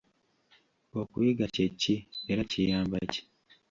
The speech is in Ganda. Okuyiga kye ki era kiyamba ki?